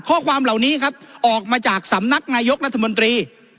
ข้อความเหล่านี้ครับออกมาจากสำนักนายกรัฐมนตรี